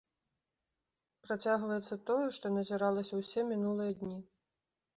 Працягваецца тое, што назіралася ўсе мінулыя дні.